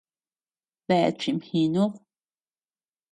¿Dae chimjinud?